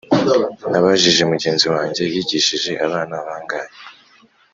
nabajije mugenzi wanjye yigishije abana bangahe